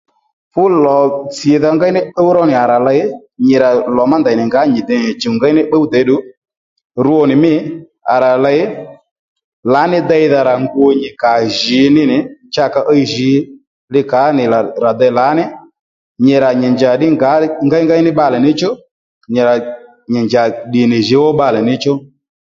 Fú lò tsì dha ngéy ní bbúw ró nì à rà ley nyì rà lò má ndèy nì ngǎ nyi dè nì chùw ngéy ní bbúw dè ddù rwo nì mî à ra ley lǎ ní déy-dha rà ngu nyì kà djǐ ní nì cha ka íy djǐ li kǎ nì lò rà dey lǎ ní nyì rà nyì njà ddí ngǎ ngéyngéy ní bbalè ní chú nyì rà nyì njà ddì nì jǔw ó bbalè ní chú